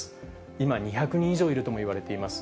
今、２００人以上いるともいわれています。